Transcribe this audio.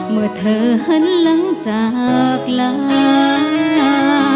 เมื่อเธอหันหลังจากลา